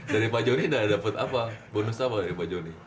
dari pak joni udah dapat apa bonus apa dari pak joni